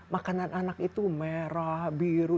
makanan anak itu merah biru